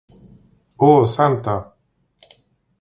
Oh Santa!